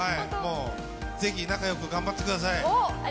ぜひ仲よく頑張ってください。